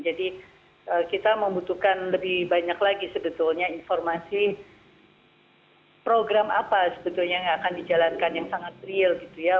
jadi kita membutuhkan lebih banyak lagi sebetulnya informasi program apa sebetulnya yang akan dijalankan yang sangat real gitu ya